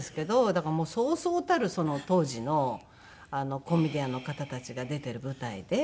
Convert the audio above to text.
だからそうそうたる当時のコメディアンの方たちが出ている舞台で。